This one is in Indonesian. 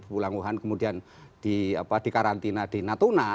pulang wuhan kemudian dikarantina di natuna